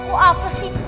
kok apa sih